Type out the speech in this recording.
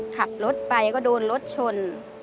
ขับรถไปก็โดนรถชน